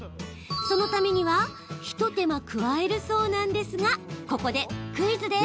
そのためには一手間加えるそうなんですがここでクイズです。